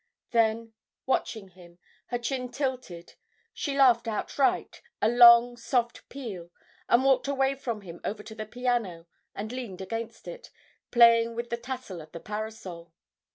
Then, watching him, her chin tilted, she laughed outright, a long, soft peal, and walked away from him over to the piano, and leaned against it, playing with the tassel of the parasol.